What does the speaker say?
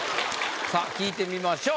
さあ聞いてみましょう。